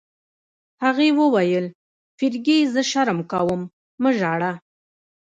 هغې وویل: فرګي، زه شرم کوم، مه ژاړه.